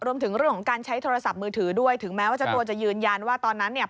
รวมถึงเรื่องของการใช้โทรศัพท์มือถือด้วยถึงแม้ว่าเจ้าตัวจะยืนยันว่าตอนนั้นเนี่ย